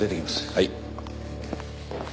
はい。